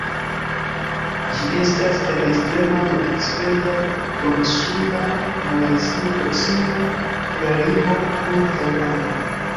Ĝi estas en ekstrema nordokcidenta Duoninsula Malajzio, proksime de la limo kun Tajlando.